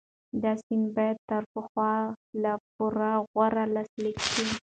دا سند باید د تره لخوا په پوره غور لاسلیک شي.